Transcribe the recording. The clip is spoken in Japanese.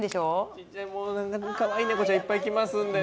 ちっちゃいかわいいネコちゃんいっぱいいますのでね。